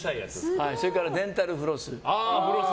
それからデンタルフロス。